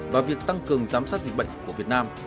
và việc tăng cường giám sát dịch bệnh của việt nam